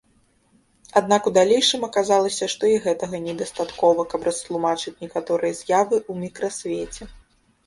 Аднак у далейшым аказалася, што і гэтага недастаткова, каб растлумачыць некаторыя з'явы ў мікрасвеце.